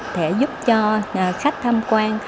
sẽ giúp cho khách tham quan